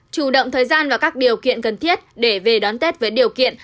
chủ động thời gian và các điều kiện cần thiết để về đón tết với điều kiện